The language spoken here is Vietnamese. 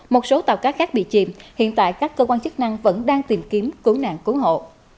một số tàu cá khác bị chìm hiện tại các cơ quan chức năng vẫn đang tìm kiếm cứu nạn cứu hộ